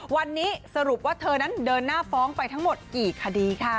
วันนี้สรุปว่าเธอนั้นเดินหน้าฟ้องไปทั้งหมดกี่คดีค่ะ